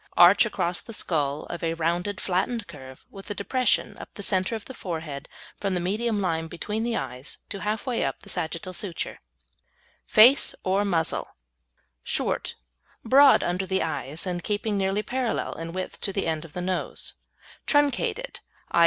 Arch across the skull of a rounded, flattened curve, with a depression up the centre of the forehead from the medium line between the eyes, to half way up the sagittal suture. FACE OR MUZZLE Short, broad under the eyes, and keeping nearly parallel in width to the end of the nose; truncated, _i.